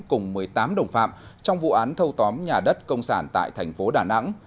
cùng một mươi tám đồng phạm trong vụ án thâu tóm nhà đất công sản